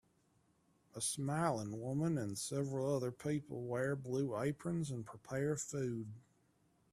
A smiling woman and several other people wear blue aprons and prepare food.